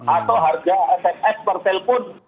atau harga sms per telepon